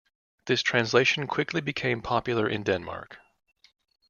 This translation quickly became popular in Denmark.